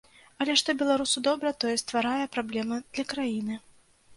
Але што беларусу добра, тое стварае праблемы для краіны.